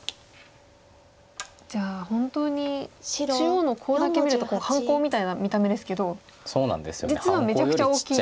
じゃあ本当に中央のコウだけ見ると半コウみたいな見た目ですけど実はめちゃくちゃ大きいんですね。